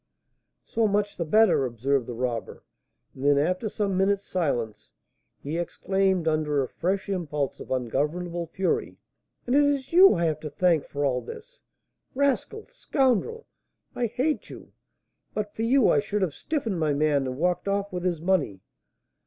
"So much the better," observed the robber. And then, after some minutes' silence, he exclaimed, under a fresh impulse of ungovernable fury, "And it is you I have to thank for all this! Rascal! scoundrel! I hate you! But for you, I should have 'stiffened' my man and walked off with his money.